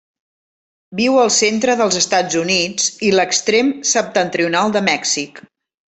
Viu al centre dels Estats Units i l'extrem septentrional de Mèxic.